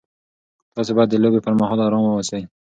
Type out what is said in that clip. تاسي باید د لوبې پر مهال ارام واوسئ.